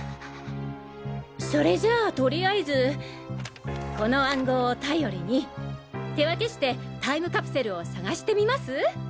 それじゃあとりあえずこの暗号を頼りに手分けしてタイムカプセルを探してみます？